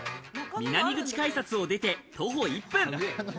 南口改札を出て徒歩１分。